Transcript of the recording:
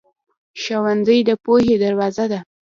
ښوونځی د پوهې دروازه ده.